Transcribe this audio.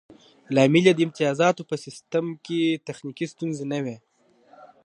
لامل یې د امتیازاتو په سیستم کې تخنیکي ستونزې نه وې